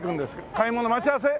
買い物？待ち合わせ？